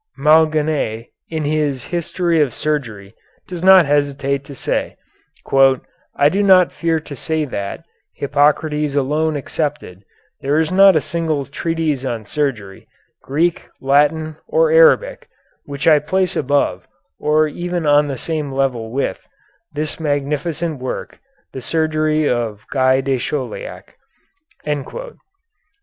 Malgaigne, in his "History of Surgery," does not hesitate to say, "I do not fear to say that, Hippocrates alone excepted, there is not a single treatise on surgery, Greek, Latin, or Arabic, which I place above, or even on the same level with, this magnificent work, 'The Surgery of Guy de Chauliac.'"